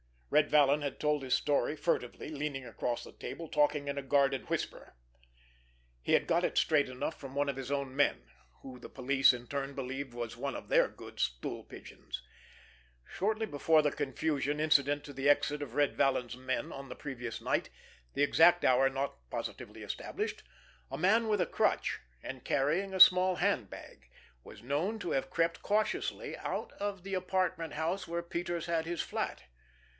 Red Vallon had told his story furtively, leaning across the table, talking in a guarded whisper. He had got it straight enough from one of his own men, who the police in turn believed was one of their own stool pigeons. Shortly before the confusion incident to the exit of Red Vallon's men on the previous night, the exact hour not positively established, a man with a crutch, and carrying a small hand bag, was known to have crept cautiously out of the apartment house where Peters had his flat.